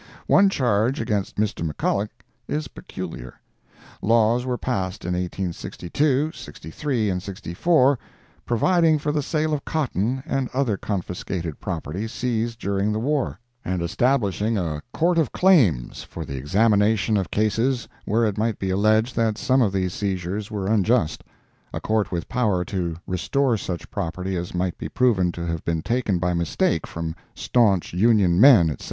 One charge against Mr. McCullouch is peculiar. Laws were passed in 1862, '63, and '64, providing for the sale of cotton and other confiscated property seized during the war, and establishing a Court of Claims for the examination of cases where it might be alleged that some of these seizures were unjust—a Court with power to restore such property as might be proven to have been taken by mistake from staunch Union men, etc.